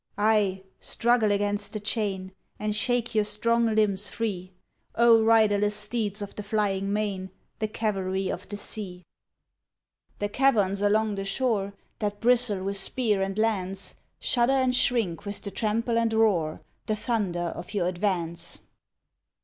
Aye, struggle against the chain, And shake your strong limbs free, O riderless steeds of the flying mane, The cavalry of the sea ! The caverns along the shore That bristle with spear and lance, Shudder and shrink with the trample and roar, The thunder of your advance.